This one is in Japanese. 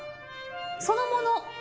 そのもの。